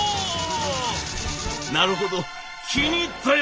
なるほど気に入ったよ